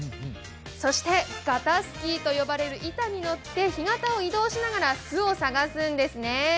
そして、潟スキーと呼ばれる板に乗って干潟を移動しながら巣を探すんですね。